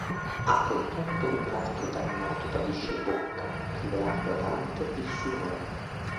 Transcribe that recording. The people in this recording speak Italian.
A quel punto un altro dannato tradisce Bocca, rivelando a Dante il suo nome.